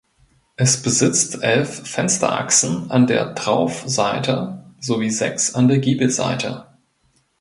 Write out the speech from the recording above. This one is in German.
Es besitzt elf Fensterachsen an der Traufseite sowie sechs an der Giebelseite.